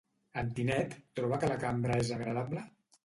En Tinet troba que la cambra és agradable?